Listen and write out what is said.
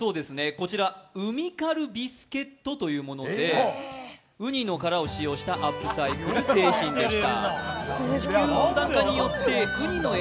こちらウニカルビスケットというもので、ウニの殻を使用したアップサイクル製品でした。